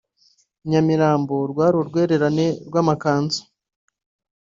I Nyamirambo rwari urwererane rw’amakanzu